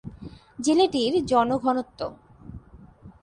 জেলাটির জনঘনত্ব।